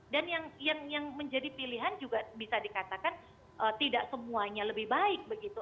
dan yang menjadi pilihan juga bisa dikatakan tidak semuanya lebih baik begitu